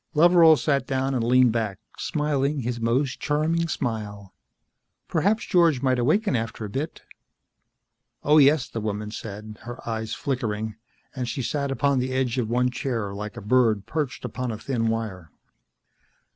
Loveral sat down and leaned back, smiling his most charming smile. "Perhaps George might awaken after a bit?" "Oh, yes," the woman said, her eyes flickering, and she sat upon the edge of one chair, like a bird perched upon a thin wire.